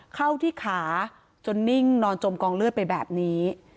เข้าที่ขาจนนิ่งนอนจมกองเลือดไปแบบนี้